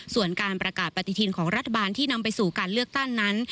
ส่วนการประกาศปฏิทินของรัฐบาลที่นำไปสู่การเลือกตั้งนั้น